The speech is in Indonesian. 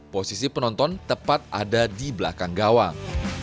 posisi penonton tepat ada di belakang gawang